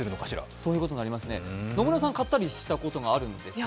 野村さん、買ったりしたことがあるんですか？